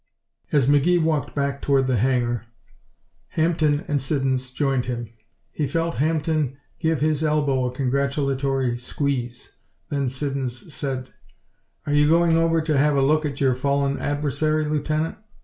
As McGee walked back toward the hangar, Hampden and Siddons joined him. He felt Hampden give his elbow a congratulatory squeeze. Then Siddons said: "Are you going over to have a look at your fallen adversary, Lieutenant?"